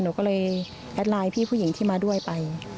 หนูก็เลยแอดไลน์พี่ผู้หญิงที่มาด้วยไป